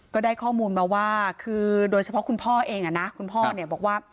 ก็ได้ข้อมูลมาว่าคือโดยเฉพาะคุณพ่อเองนะคุณพ่อเนี่ยบอกว่า